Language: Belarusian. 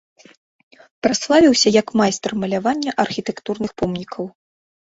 Праславіўся як майстар малявання архітэктурных помнікаў.